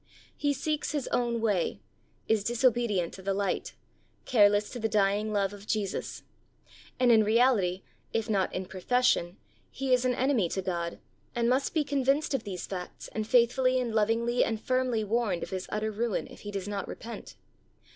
He seeks his own way, is disobedient to the light, careless to the dying love of Jesus. And in reality, if not in profession, he is an enemy to God, and must be convinced of these facts, and faithfully and lovingly and firmly warned of his utter ruin if he does not repent.